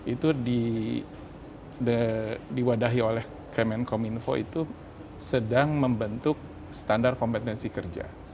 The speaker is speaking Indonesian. itu diwadahi oleh kemenkominfo itu sedang membentuk standar kompetensi kerja